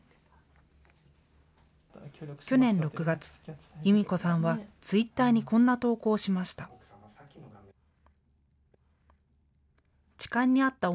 去年６月、由美子さんはツイッターにこんな投稿をしました。